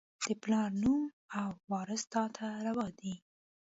د پلار نوم او، وراث تا ته روا دي